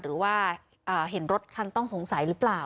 หรือว่าเห็นรถคันต้องสงสัยหรือเปล่า